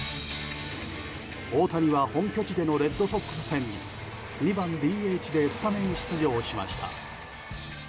大谷は本拠地でのレッドソックス戦に２番ＤＨでスタメン出場しました。